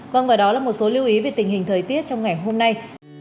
vâng và đó là một số lưu ý về tình hình thời tiết trong ngày hôm nay